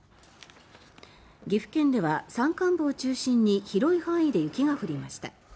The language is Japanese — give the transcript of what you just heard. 岐阜県では山間部を中心に広い範囲で雪が降りました。